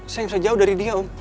saya bisa jauh dari dia om